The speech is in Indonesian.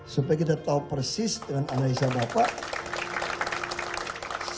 supaya kita tahu persis dengan analisa bapak